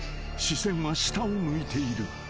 視線は下を向いている］